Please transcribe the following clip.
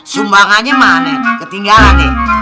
sumbangannya mana ketinggalan nih